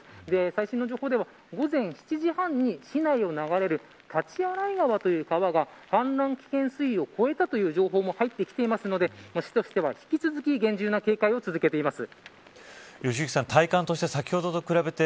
最新の情報では午前７時半に市内を流れる大刀洗川という川が氾濫危険水位を越えたという情報も入ってきているので市としては引き続き厳重な警戒を続けています。